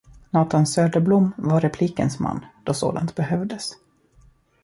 Nathan Söderblom var replikens man, då sådant behövdes.